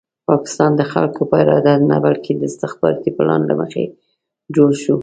پاکستان د خلکو په اراده نه بلکې د استخباراتي پلان له مخې جوړ شو.